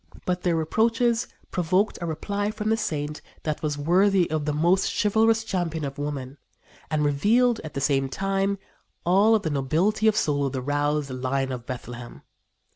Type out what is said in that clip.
But their reproaches provoked a reply from the saint that was worthy of the most chivalrous champion of woman, and revealed, at the same time, all the nobility of soul of the roused "Lion of Bethlehem."